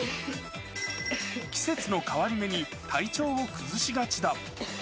季節の変わり目に、体調を崩しがちだ。